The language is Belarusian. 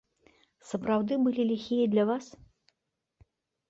Сапраўды былі ліхія для вас?